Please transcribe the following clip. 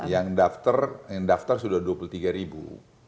yang daftar sudah dua puluh tiga ribu